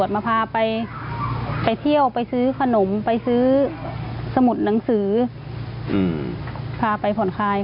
เดี๋ยวก็เปิดเทอมแล้ว